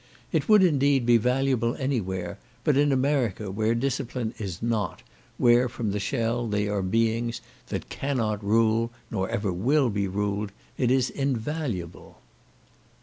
It would, indeed, be valuable any where; but in America, where discipline is not, where, from the shell, they are beings "that cannot rule, nor ever will be ruled," it is invaluable.